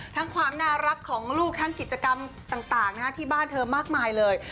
ความน่ารักของลูกทั้งกิจกรรมต่างที่บ้านเธอมากมายเลย